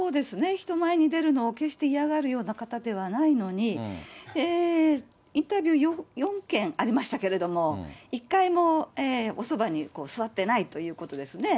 人前に出るのを決して嫌がるような方ではないのに、インタビュー４件ありましたけれども、１回もおそばに座ってないということですね。